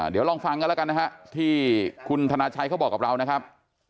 เดี๋ยวลองฟังกันแล้วกันนะฮะที่คุณธนาชัยเขาบอกกับเรานะครับ